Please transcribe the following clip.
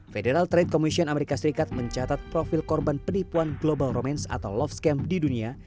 federal trade commission amerika serikat mencatat profil korban penipuan global romance atau love scam di dunia